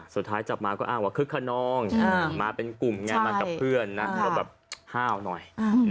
สุดท้ายจับมาก็อ้างว่าคึกขนองมาเป็นกลุ่มไงมากับเพื่อนนะแล้วแบบห้าวหน่อย